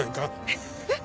えっえっ？